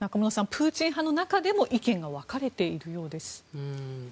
プーチン派の中でも意見が分かれているようです。